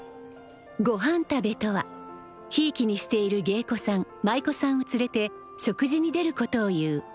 ごはんたべとはひいきにしている芸妓さん舞妓さんを連れて食事に出ることをいう。